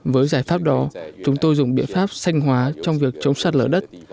với giải pháp đó chúng tôi dùng biện pháp sanh hóa trong việc chống sạt lở đất